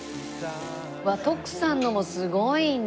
うわ徳さんのもすごいな。